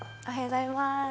おはようございます。